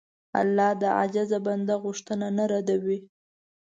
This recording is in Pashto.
الله د عاجز بنده غوښتنه نه ردوي.